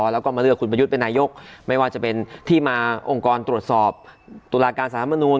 แล้วก็มาเลือกคุณประยุทธ์เป็นนายกไม่ว่าจะเป็นที่มาองค์กรตรวจสอบตุลาการสารมนูล